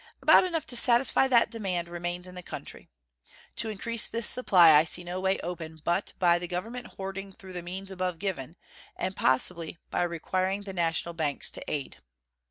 About enough to satisfy that demand remains in the country. To increase this supply I see no way open but by the Government hoarding through the means above given, and possibly by requiring the national banks to aid.